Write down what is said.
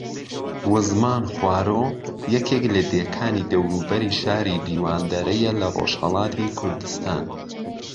وزمان خوارۆ یەکێک لە دێکانی دەوروبەری شاری دیواندەرەیە لە ڕۆژھەڵاتی کوردستان